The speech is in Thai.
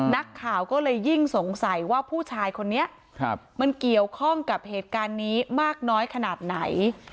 นักข่าวก็เลยยิ่งสงสัยว่าผู้ชายคนนี้มันเกี่ยวข้องกับเหตุการณ์นี้มากน้อยขนาดไหน